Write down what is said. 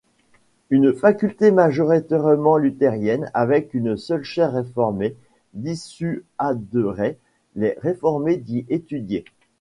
Une faculté majoritairement luthérienne, avec une seule chaire réformée, dissuaderait les réformés d'y étudier.